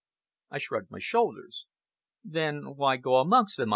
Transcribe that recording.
I shrugged my shoulders. "Then why go amongst them?"